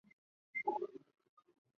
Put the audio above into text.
天正元年。